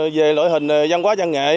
về loại hình dân quá dân nghệ